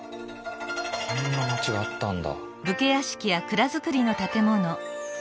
こんな町があったんだ。